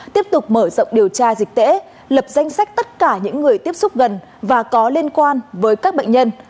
tiếp tục mở rộng điều tra dịch tễ lập danh sách tất cả những người tiếp xúc gần và có liên quan với các bệnh nhân